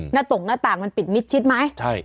ตรงหน้าต่างมันปิดมิดชิดไหมใช่